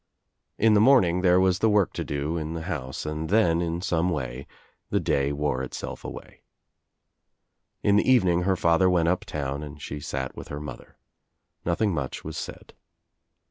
In the morning there was the work to do in OUT OF NOWHERE INTO NOTHING 1•J^ I „,.„,. away. In the evening her father went up town and she sat with her mother. Nothing much was said.